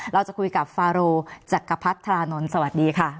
เราจะคุยกับฟาโรจักรพัทรานนท์สวัสดีค่ะ